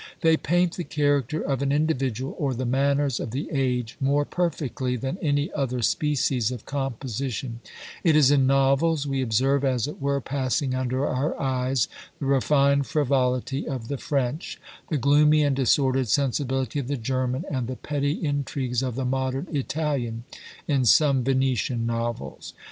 They paint the character of an individual or the manners of the age more perfectly than any other species of composition: it is in novels we observe as it were passing under our eyes the refined frivolity of the French; the gloomy and disordered sensibility of the German; and the petty intrigues of the modern Italian in some Venetian Novels.